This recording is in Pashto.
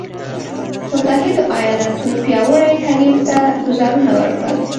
متحدو ایالتونو پیاوړي حریف ته ګوزارونه ورکړل.